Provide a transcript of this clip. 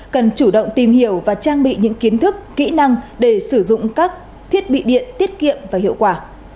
cần chủ động tìm hiểu và trang bị những kiến thức kỹ năng để sử dụng các thiết bị điện tiết kiệm và hiệu quả